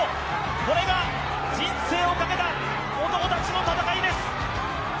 これが人生をかけた男たちの戦いです。